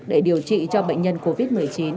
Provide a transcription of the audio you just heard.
để điều trị cho bệnh nhân covid một mươi chín